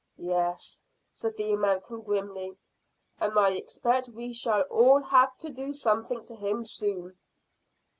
"Yes," said the American grimly, "and I expect we shall all have to do something to him soon."